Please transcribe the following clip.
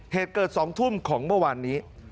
เหตุเกิด๒ทุ่มของเมื่อวานนี้